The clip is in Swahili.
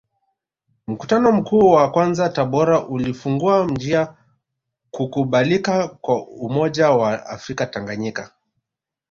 Mkutano Mkuu wa kwanza Tabora ulifungua njia kukubalika kwa umoja wa afrika Tanganyika